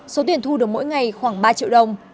số tiền thu được mỗi ngày khoảng ba triệu đồng